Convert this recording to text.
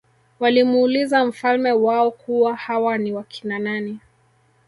walimuuliza mfalme wao kuwa hawa ni wakina nani